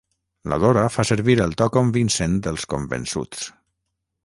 La Dora fa servir el to convincent dels convençuts.